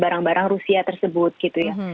barang barang rusia tersebut gitu ya